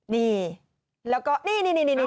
นี่แล้วก็นี่